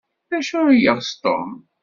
D acu ay yeɣs Tom?